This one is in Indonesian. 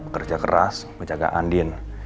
kerja keras menjaga andin